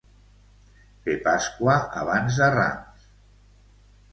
Fer Pasqua abans de Ram.